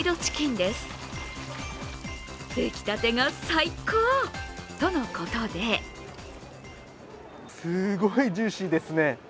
できたてが最高！とのことですごいジューシーですね。